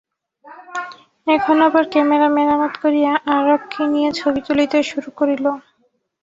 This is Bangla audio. এখন আবার ক্যামেরা মেরামত করিয়া আরক কিনিয়া ছবি তুলিতে শুরু করিল।